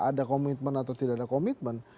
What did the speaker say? ada komitmen atau tidak ada komitmen